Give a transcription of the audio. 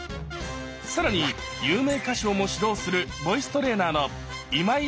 更に有名歌手をも指導するボイストレーナーの今井マサキさん